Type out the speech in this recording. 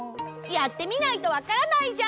やってみないとわからないじゃん！